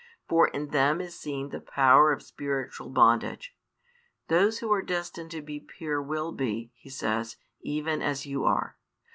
For in them is seen the power of spiritual bondage. Those who are destined to be pure will be, He says, even as you are.